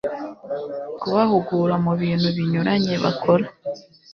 kubahugura mu bintu binyuranye bakora